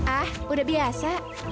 ah udah biasa